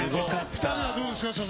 ２人はどうでした？